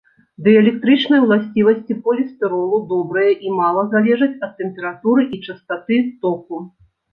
Дыэлектрычныя ўласцівасці полістыролу добрыя і мала залежаць ад тэмпературы і частаты току.